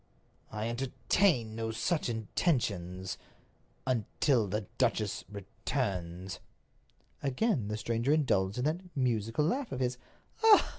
"I entertain no such intentions—until the duchess returns." Again the stranger indulged in that musical laugh of his.